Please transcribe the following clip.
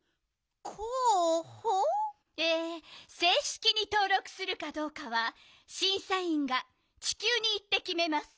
「えせいしきにとうろくするかどうかはしんさいんがちきゅうにいってきめます」。